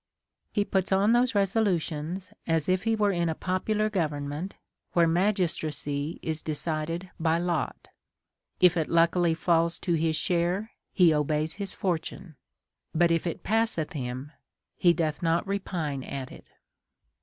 He puts on those resokitions as if he Avere in a popuhir government where magistracy is decided by lot ; if it luckily falls to his share, he obeys his fortune, but if it passeth him, he doth not repine at it.